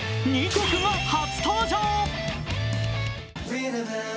２曲が初登場。